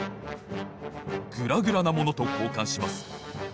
グラグラなものとこうかんします。